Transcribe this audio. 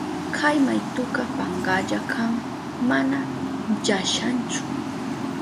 Kay maytuka pankalla kan, mana llashanchu.